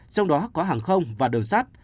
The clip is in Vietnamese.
trong đó có hàng không và đường sắt